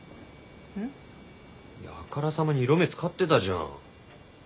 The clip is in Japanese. あからさまに色目使ってたじゃん。